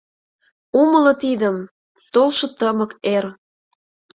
Умыло тидым, толшо тымык эр!